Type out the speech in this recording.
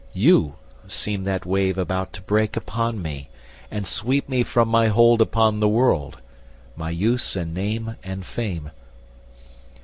You seemed that wave about to break upon me And sweep me from my hold upon the world, My use and name and fame.